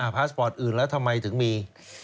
พาสปอร์ตอื่นแล้วทำไมถึงมี